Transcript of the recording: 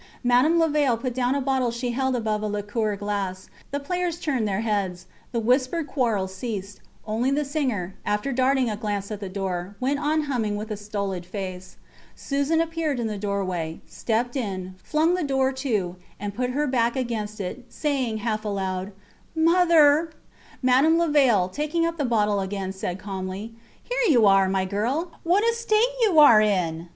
Madame Levaille put down a bottle she held above a liqueur glass; the players turned their heads; the whispered quarrel ceased; only the singer, after darting a glance at the door, went on humming with a stolid face. Susan appeared in the doorway, stepped in, flung the door to, and put her back against it, saying, half aloud Mother! Madame Levaille, taking up the bottle again, said calmly: Here you are, my girl. What a state you are in!